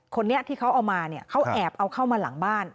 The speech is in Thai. คนนี้ที่เขาเอามาเนี่ยเขาแอบเอาเข้ามาหลังบ้าน